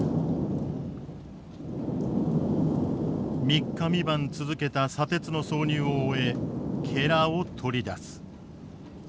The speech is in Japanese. ３日３晩続けた砂鉄の装入を終えを取り出す。